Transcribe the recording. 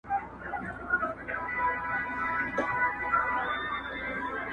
د خور او مور له ګریوانونو سره لوبي کوي-